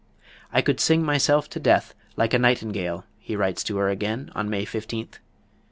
... "I could sing myself to death, like a nightingale," he writes to her again, on May 15th.